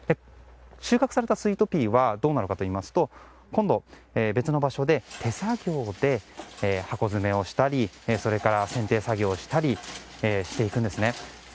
収穫されたスイートピーはどうなるかといいますと今度、別の場所で手作業で箱詰めしたり選定作業をしたりしていくんですね。